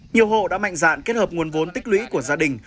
nhiều hộ đã mạnh dạn kết hợp nguồn vốn tích lũy của gia đình